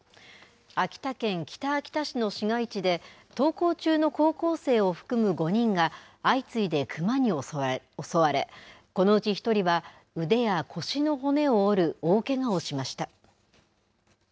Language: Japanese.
秋田県北秋田市の市街地で登校中の高校生を含む５人が相次いで熊に襲われこのうち１人は腕や腰の骨を折る大けがをしました。